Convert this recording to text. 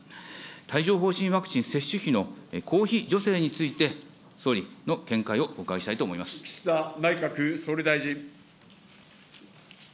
帯状ほう疹ワクチン接種費の公費助成について、総理の見解をお伺岸田内閣総理大臣。